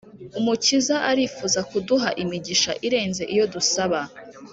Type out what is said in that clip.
Umukiza arifuza kuduha imigisha irenze iyo dusaba;